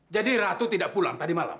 jadi ratu tidak pulang tadi malam